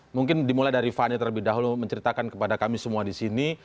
mungkin dimulai dari fani terlebih dahulu menceritakan kepada kami semua di sini